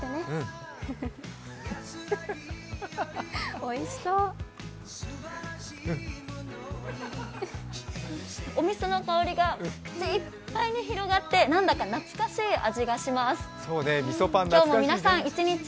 おみその香が口いっぱいに広がって何だか懐かしい味がします。